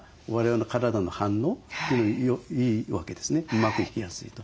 うまくいきやすいと。